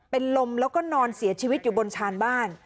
เป็นลมแล้วก็นอนเสียชีวิตอยู่บนชานบ้าน